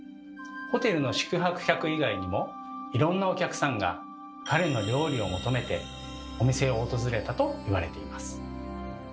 ホテルの宿泊客以外にもいろんなお客さんが彼の料理を求めてお店を訪れたと言われています。